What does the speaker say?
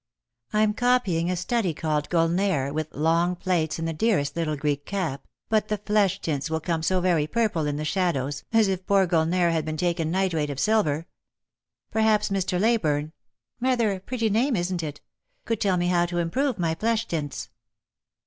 I'm copy ing a study called ' Gulnare,' with long plaits and the dearest little Greek cap, but the flesh tints will come so very purple in the shadows, as if poor Gulnare had been taking nitrate of silver. Perhaps Mr. Leyburne — rather a pretty name, isn't it? — could tell me how to improve my flesh tints."